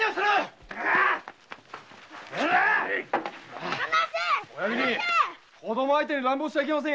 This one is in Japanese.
子ども相手に乱暴しちゃいけませんや。